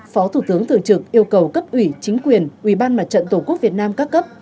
phó thủ tướng thường trực yêu cầu cấp ủy chính quyền ubnd tổ quốc việt nam các cấp